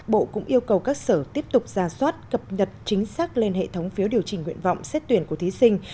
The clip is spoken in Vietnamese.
bộ cũng yêu cầu các sở tiếp tục ra soát cập nhật chính xác lên hệ thống phiếu điều chỉnh nguyện vọng xét tuyển của thí sinh